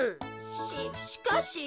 ししかし。